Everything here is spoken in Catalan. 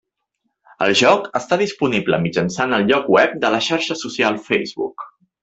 El joc està disponible mitjançant el lloc web de la xarxa social Facebook.